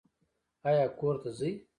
ایا کور ته ځئ؟